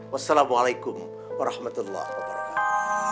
wassalamualaikum warahmatullahi wabarakatuh